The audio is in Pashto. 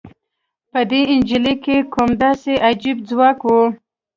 په دې نجلۍ کې کوم داسې عجيب ځواک و؟